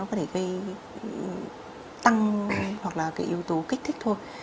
có thể gây tăng ni hoặc là cái yếu tố kích thích thôi